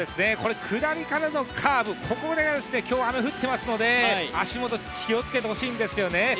これ下りからのカーブ、ここで今日雨降っていますので、足元、気をつけてほしいんですよね